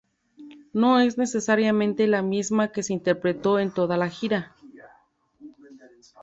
No es necesariamente la misma que se interpretó en toda la gira.